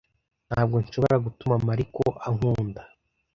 Ntabwo nshobora gutuma Mariko ankunda.